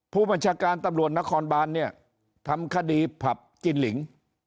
ผู้บัญชาการตำรวจนครบานเนี่ยทำคดีผับจินหลิง